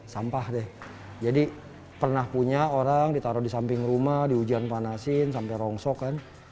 sampah deh jadi pernah punya orang ditaruh di samping rumah di hujan panasin sampai rongsok kan